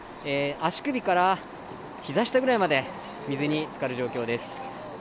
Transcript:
足首から膝下くらいまで水に漬かる状況です。